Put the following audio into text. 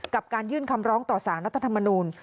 การยื่นคำร้องต่อสารรัฐธรรมนูล